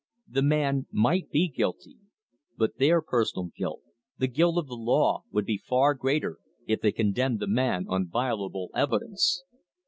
The man might be guilty, but their personal guilt, the guilt of the law, would be far greater if they condemned the man on violable evidence.